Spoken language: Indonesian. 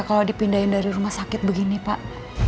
kalau dipindahin dari rumah sakit begini pak